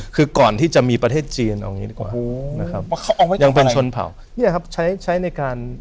คือก่อนที่จะมีประเทศจีนออกงี้ดีกว่า